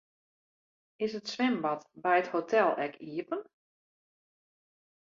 Is it swimbad by it hotel ek iepen?